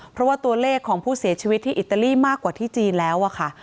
เพราะว่าตัวเลขของผู้เสียชีวิตที่อิตาลีมากกว่าที่จีนแล้วอะค่ะ